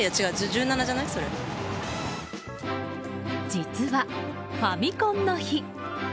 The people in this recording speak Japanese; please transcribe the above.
実は、ファミコンの日。